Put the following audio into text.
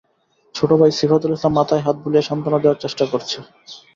ছোট ভাই সিফাতুল ইসলাম মাথায় হাত বুলিয়ে সান্ত্বনা দেওয়ার চেষ্টা করছে।